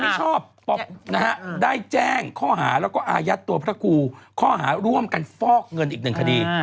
ไม่ชอบนะฮะได้แจ้งข้อหาแล้วก็อายัดตัวพระครูข้อหาร่วมกันฟอกเงินอีกหนึ่งคดี